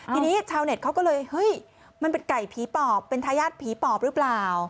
ทีนี้ชาวเน็ตเขาก็เลยเฮ้ยมันเป็นไก่ผีปอบเป็นทายาทผีปอบหรือเปล่า